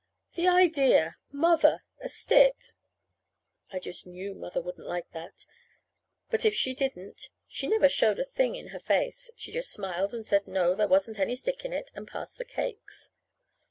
The idea Mother! A stick! I just knew Mother wouldn't like that. But if she didn't, she never showed a thing in her face. She just smiled, and said no, there wasn't any stick in it; and passed the cakes.